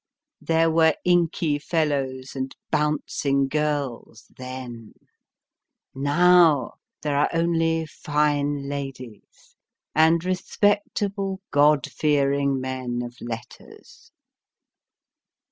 There were inky fellows and bouncing girls, then ; now there are only fine ladies, and respectable, God fearing men of letters.